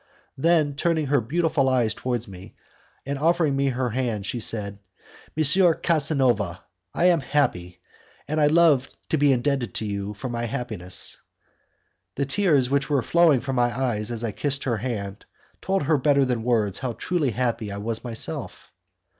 Then turning her beautiful eyes towards me, and offering me her hand, she said, "M. Casanova, I am happy, and I love to be indebted to you for my happiness." The tears which were flowing from my eyes, as I kissed her hand, told her better than words how truly happy I was myself.